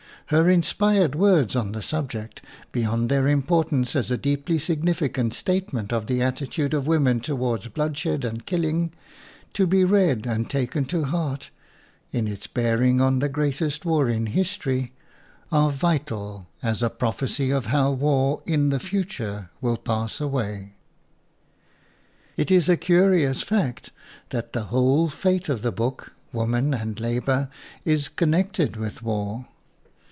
Her in spired words on the subject, beyond their importance as a deeply significant statement of the attitude of women toward bloodshed and killing, to be read and taken to heart in its bearing on the greatest war in history, are vital as a prophecy of how war in the future will pass away. It is a curious fact that the whole FOREWORD fate of the book, "WOMAN AND LABOR," is connected with war.